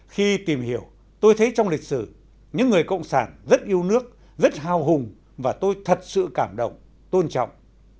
khi tìm hiểu tôi thấy trong lịch sử những người cộng sản rất yêu nước rất hào hùng và tôi thật sự cảm động tôn trọng